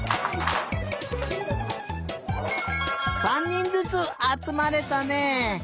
３にんずつあつまれたね！